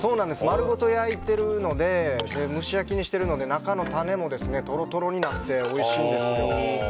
丸ごと焼いてるので蒸し焼きにしてるので中の種もトロトロになっておいしいんですよ。